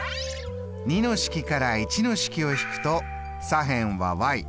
２の式から１の式を引くと左辺は。